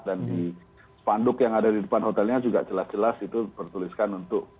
dan di panduk yang ada di depan hotelnya juga jelas jelas itu bertuliskan untuk dua ribu dua puluh empat